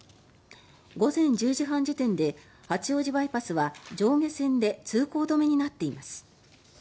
午前１０時半時点で八王子バイパスは上下線で通行止めになっています。